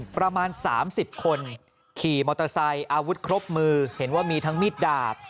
ประมาณ๓๐คนขี่มอเตอร์ไซค์อาวุธครบมือเห็นว่ามีทั้งมีดดาบ